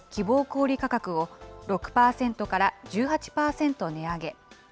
小売り価格を、６％から１８％値上げ。